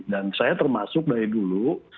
dan saya termasuk dari dulu